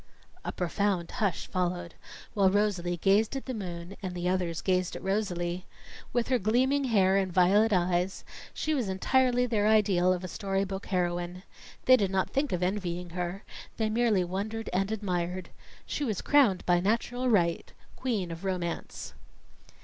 A profound hush followed, while Rosalie gazed at the moon and the others gazed at Rosalie. With her gleaming hair and violet eyes, she was entirely their ideal of a storybook heroine. They did not think of envying her; they merely wondered and admired. She was crowned by natural right, Queen of Romance.